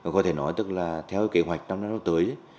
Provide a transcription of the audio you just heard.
có thể nói tức là theo kế hoạch năm nay nó tới